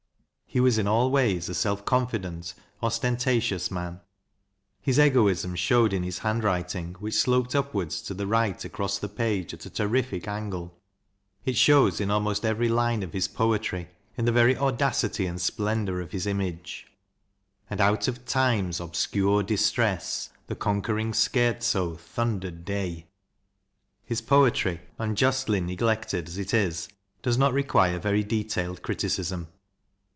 He was in all ways a self confident, ostentatious man. His egoism showed in his handwriting, which sloped upwards to the right across the page at a terrific angle. It shows in almost every line of his poetry, in the very audacity and splendour of his image: And out of Time's obscure distress The conquering Scherzo thundered day. His poetry, unjustly neglected as it is, does not require very detailed criticism.